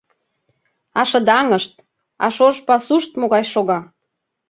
А шыдаҥышт, а шож пасушт могай шога?